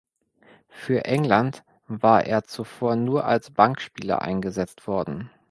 Für England war er zuvor nur als Bankspieler eingesetzt worden.